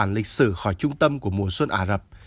giữ tản lịch sử khỏi trung tâm của mùa xuân ả rập